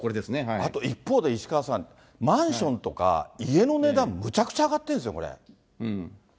あと一方で石川さん、マンションとか家の値段、むちゃくちゃ上がってるんですよ、これ。